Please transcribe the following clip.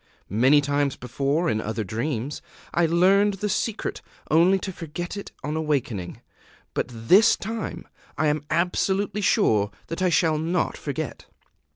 Many times before, in other dreams, I learned the secret only to forget it on awakening; but this time I am absolutely sure that I shall not forget."